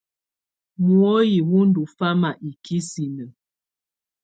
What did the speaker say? Mùoyi wɔ ndɔ fama ikisinǝ.